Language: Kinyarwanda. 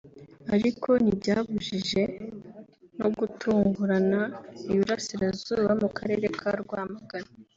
ariko ntibyabujje no gutungurana iburasirazuba mu Karere ka Rwamagana